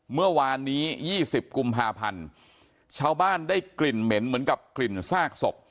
เมื่อวานนี้๒๐กุมภาพันธ์ชาวบ้านได้กลิ่นเหม็นเหมือนกับกลิ่นซากศพ